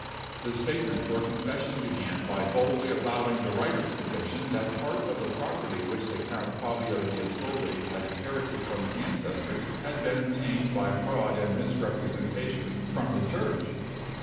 The statement or confession began by boldly avowing the writer's conviction that part of the property which the Count Fabio d'Ascoli had inherited from his ancestors had been obtained by fraud and misrepresentation from the Church.